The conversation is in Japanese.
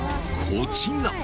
こちら。